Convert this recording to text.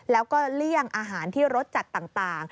แล้วก็เลี่ยงอาหารที่รสจัดต่าง